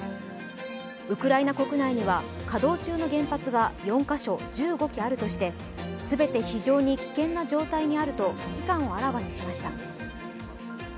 ウクライナ国内には稼働中の原発が４カ所、１５基あるとして、全て非常に危険な状態にあると危機感をあらわにしました。